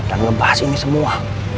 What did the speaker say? dan ngebahas ini semua